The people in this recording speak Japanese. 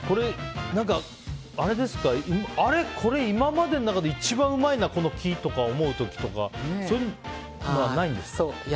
これ、今までの中で一番うまいな、この木とかそういうのはないんですか？